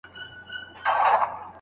څوک د رمضان مياشتي روژه نيسي؟